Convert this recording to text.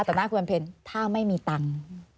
หน้าคุณวันเพ็ญถ้าไม่มีตังค์